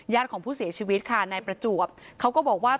ของผู้เสียชีวิตค่ะนายประจวบเขาก็บอกว่า